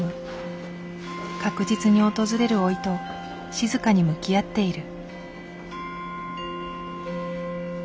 確実に訪れる老いと静かに向き合っている。